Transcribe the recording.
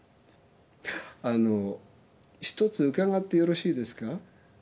あのひとつ伺ってよろしいですか？